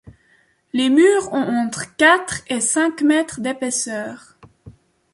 Les murs ont entre quatre et cinq mètres d'épaisseur.